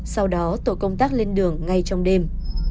sau đó tổ công tác lên đường ngay trong đêm